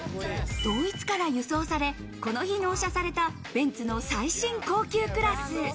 ドイツから輸送され、この日、納車された、ベンツの最新高級クラス。